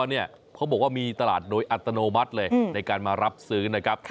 เนี่ยเขาบอกว่ามีตลาดโดยอัตโนมัติเลยในการมารับซื้อนะครับ